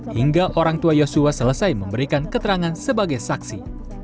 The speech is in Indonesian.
hingga orang tua yosua selesai memberikan keterangan sebagai saksi